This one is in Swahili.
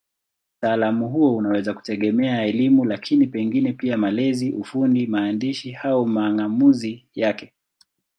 Utaalamu huo unaweza kutegemea elimu, lakini pengine pia malezi, ufundi, maandishi au mang'amuzi yake.